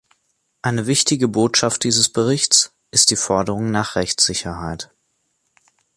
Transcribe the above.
Eine wichtige Botschaft dieses Berichts ist die Forderung nach Rechtssicherheit.